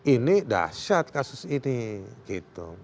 ini dahsyat kasus ini